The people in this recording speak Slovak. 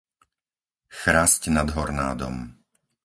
Chrasť nad Hornádom